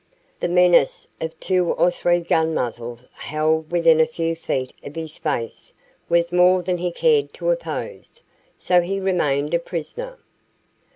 The menace of two or three gun muzzles held within a few feet of his face was more than he cared to oppose, so he remained a prisoner.